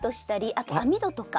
あと網戸とか。